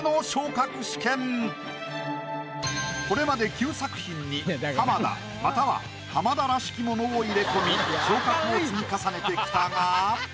これまで９作品に浜田または浜田らしきものを入れ込み昇格を積み重ねてきたが。